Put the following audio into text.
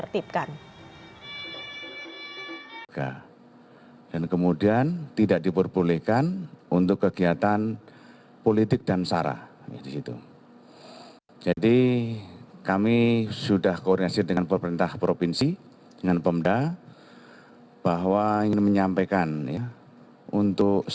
tanduk dan lain lain akan ditertibkan